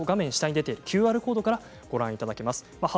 画面に出ているＱＲコードからもご覧いただけます。